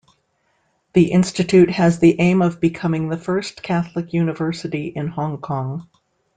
The institute has the aim of becoming the first Catholic University in Hong Kong.